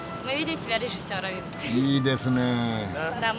いいですね！